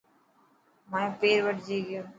مايو پير وڍجي گيو.